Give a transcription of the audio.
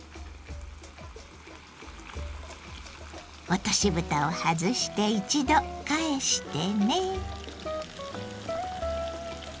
落としぶたを外して１度返してね。